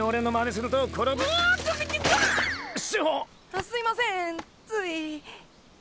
あすいませんつい。